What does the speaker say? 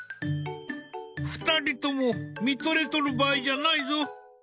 ２人とも見とれとる場合じゃないぞ。